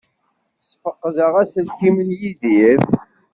Sfeqdeɣ aselkim n Yidir.